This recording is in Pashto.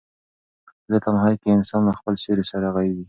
په دې تنهایۍ کې انسان له خپل سیوري سره غږېږي.